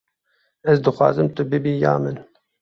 Ez dixwazim tu bibî ya min.